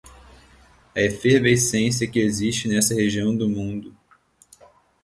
à efervescência que existe nesta região do mundo